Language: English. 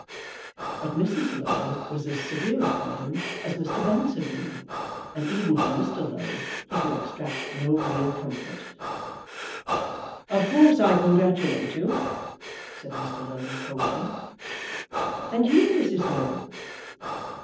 But Mrs. Low was as severe upon him as Mr. Bunce had been, and even from Mr. Low he could extract no real comfort. "Of course I congratulate you," said Mr. Low coldly. "And you, Mrs. Low?"